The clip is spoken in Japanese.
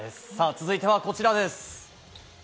続いてはこちらです。